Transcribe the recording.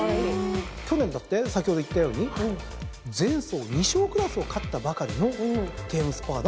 去年だって先ほど言ったように前走２勝クラスを勝ったばかりのテイエムスパーダが圧勝ですよ。